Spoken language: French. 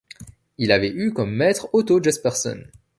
Il avait eu comme maître Otto Jespersen.